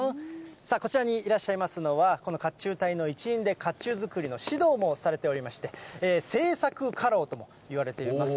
こちらにいらっしゃいますのは、この甲冑隊の一員で、甲冑作りの指導もされておりまして、製作家老ともいわれています